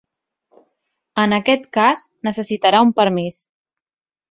En aquest cas necessitarà un permís.